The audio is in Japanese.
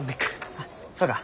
あっそうか。